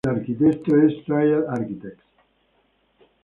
El arquitecto es Triad Architects.